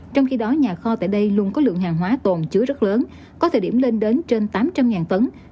trong khi đó nhà kho tại đây luôn có lượng hàng hóa tồn chứa rất lớn có thời điểm lên đến trên tám trăm linh tấn